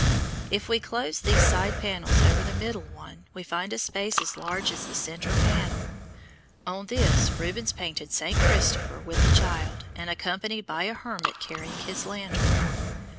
If we close these side panels over the middle one we find a space as large as the center panel. On this Rubens painted St. Christopher with the child and accompanied by a hermit carrying his lantern.